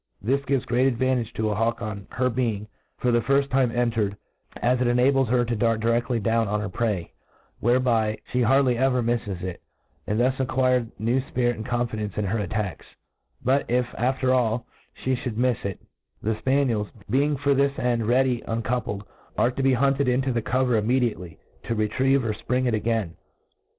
This gives great advantage to a hawk,, on her being, for the firft time entered, as it ena bles her to dart direftjy down on her prey, whereby fhe hardly ever miffcs itj and thus ac quires new fpirit and confidence in her attacks But if, after all, Ihe fhould mife it, the fpaniels, being for this end ready uncoupled,, are to be hunted into the cover immediately,, to retrive or ipring it again.